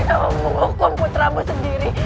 tega teganya kau menghukum putramu sendiri